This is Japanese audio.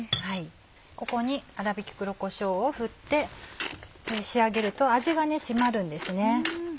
ここに粗びき黒コショウを振って仕上げると味が締まるんですね。